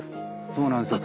そうなんですよ